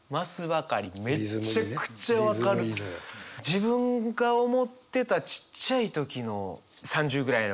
自分が思ってたちっちゃい時の３０ぐらいの人。